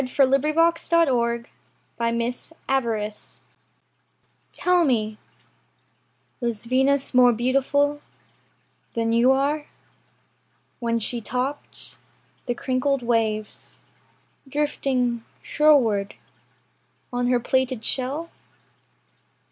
AMY LOWELL AMY LOWELL VENUS TRANSIENS Tell me, Was Venus more beautiful Than you are, When she topped The crinkled waves, Drifting shoreward On her plaited shell?